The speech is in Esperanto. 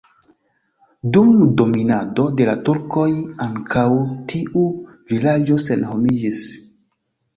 Dum dominado de la turkoj ankaŭ tiu vilaĝo senhomiĝis.